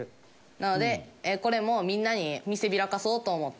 なのでこれもみんなに見せびらかそうと思って。